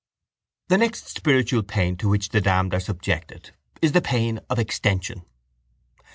—The next spiritual pain to which the damned are subjected is the pain of extension.